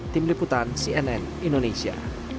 tim liputan cnn indonesia